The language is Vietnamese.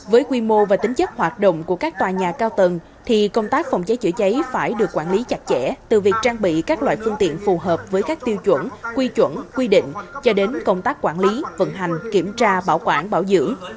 với quy mô và tính chất hoạt động của các tòa nhà cao tầng thì công tác phòng cháy chữa cháy phải được quản lý chặt chẽ từ việc trang bị các loại phương tiện phù hợp với các tiêu chuẩn quy chuẩn quy định cho đến công tác quản lý vận hành kiểm tra bảo quản bảo giữ